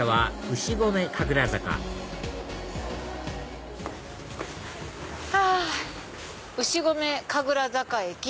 牛込神楽坂駅。